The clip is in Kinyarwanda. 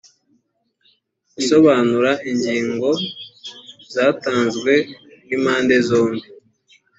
gusobanura ingingo zatanzwe n impande zombi